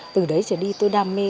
từ đấy trở đi tôi đam mê